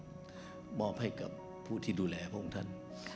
ก็มอบให้กับผู้ที่ดูแลพระองค์ท่าน